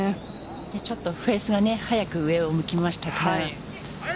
ちょっとフェースが早く上を向きました。